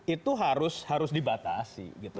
itu harus dibatasi